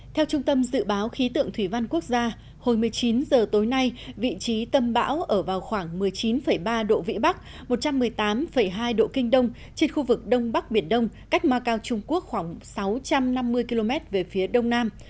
theo trung tâm dự báo khí tượng thủy văn quốc gia hồi một mươi chín h tối nay vị trí tâm bão ở vào khoảng một mươi chín ba độ vĩ bắc một trăm một mươi tám hai độ kinh đông trên khu vực đông bắc biển đông cách macau trung quốc khoảng sáu trăm năm mươi km về phía đông nam